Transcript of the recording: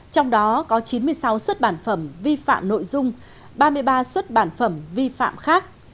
trong đó có chín mươi sáu xuất bản phẩm vi phạm nội dung ba mươi ba xuất bản phẩm vi phạm khác